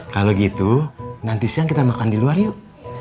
kalau gitu nanti siang kita makan di luar yuk